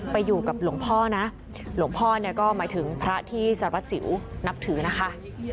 ไปอยู่กับหลวงพ่อนะหลวงพ่อเนี่ยก็หมายถึงพระที่สารวัสสิวนับถือนะคะ